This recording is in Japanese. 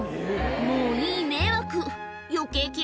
もういい迷惑。